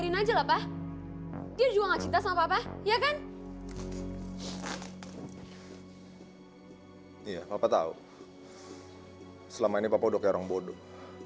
selama ini papa udah kayak orang bodoh